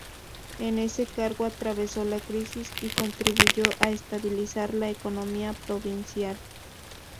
En ese cargo atravesó la crisis y contribuyó a estabilizar la economía provincial.